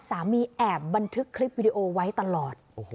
แอบบันทึกคลิปวิดีโอไว้ตลอด